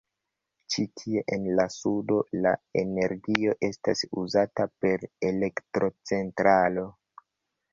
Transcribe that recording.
Ĉi tie en la sudo, la energio estas uzata per elektrocentralo.